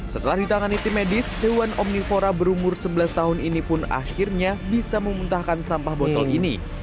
setelah ditangani tim medis hewan omnivora berumur sebelas tahun ini pun akhirnya bisa memuntahkan sampah botol ini